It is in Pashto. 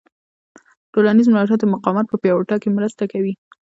ټولنیز ملاتړ د مقاومت په پیاوړتیا کې مرسته کوي.